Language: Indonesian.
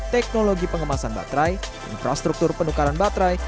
teknologi pengemasan baterai infrastruktur penukaran baterai